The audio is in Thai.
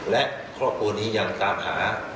และครอบครัวนี้ยังตามหา